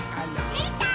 できたー！